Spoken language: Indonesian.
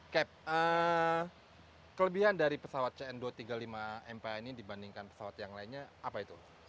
kep kelebihan dari pesawat cn dua ratus tiga puluh lima mpa ini dibandingkan pesawat yang lainnya apa itu